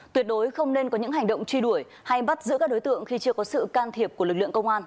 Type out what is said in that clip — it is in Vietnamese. tuyệt đối không nên có những hành động truy đuổi hay bắt giữ các đối tượng khi chưa có sự can thiệp của lực lượng công an